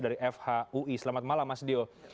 dari fhui selamat malam mas dio